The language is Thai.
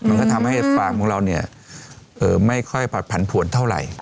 มันก็ทำให้ฟาร์มของเราเนี่ยไม่ค่อยผัดผันผวนเท่าไหร่